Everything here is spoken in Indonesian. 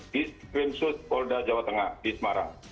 di krimsus polda jawa tengah di semarang